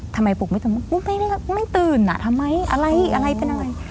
ทำไมปุกไม่ตื่นไม่ตื่นอ่ะทำไมอะไรอะไรเป็นอะไร